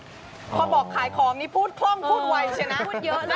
พี่แมนขอบอกขายของนี้พูดคล่องพูดไวใช่ไหมนะ